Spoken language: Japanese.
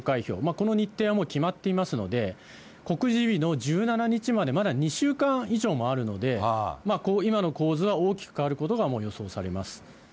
この日程はもう決まっていますので、告示日の１７日までまだ２週間以上もあるので、今の構図は大きく変わることも予想されます。